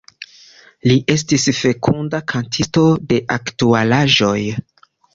Li estis fekunda kantisto de aktualaĵoj.